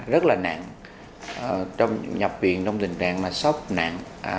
rất là nặng trong nhập viện trong tình trạng là sốc nặng